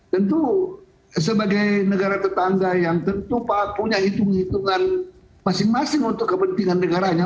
tentu sebagai negara tetangga yang tentu pak punya hitung hitungan masing masing untuk kepentingan negaranya